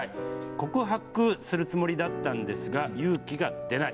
告白するつもりだったんですが勇気が出ない。